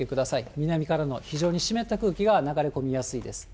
南からの非常に湿った空気が流れ込みやすいです。